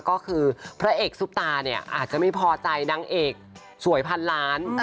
ก็คือพระเอกซุปตาเนี่ยอาจจะไม่พอใจนางเอกสวยพันล้าน